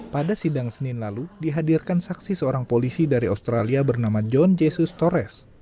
pada sidang senin lalu dihadirkan saksi seorang polisi dari australia bernama john jesus torres